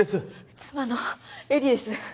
妻の絵里です